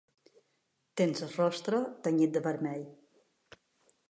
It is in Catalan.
Tens el rostre tenyit de vermell.